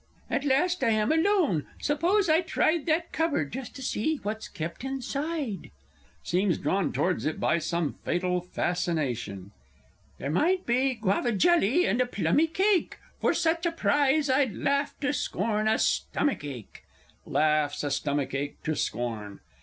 _ At last I am alone! Suppose I tried That cupboard just to see what's kept inside? [Seems drawn towards it by some fatal fascination. There might be Guava jelly, and a plummy cake, For such a prize I'd laugh to scorn a stomach ache! [_Laughs a stomach ache to scorn.